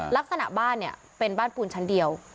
ลักษณะบ้านเนี่ยเป็นบ้านปูนชั้นเดียว